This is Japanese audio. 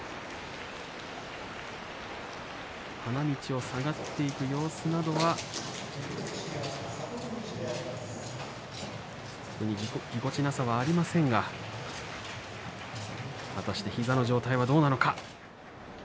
花道を下がっていく様子などは特にぎこちなさは、ありませんが果たして膝の状態はどうなのか。